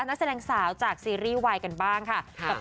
นักแสดงสาวจากซีรีส์วายกันบ้างค่ะ